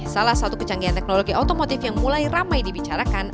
salah satu kecanggihan teknologi otomotif yang mulai ramai dibicarakan